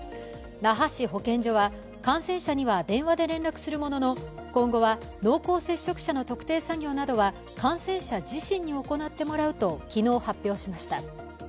那覇市保健所は感染者には電話で連絡するものの今後は濃厚接触者の特定作業などは感染者自身に行ってもらうと昨日発表しました。